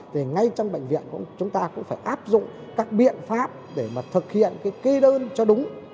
thì ngay trong bệnh viện chúng ta cũng phải áp dụng các biện pháp để thực hiện kỳ đơn cho đúng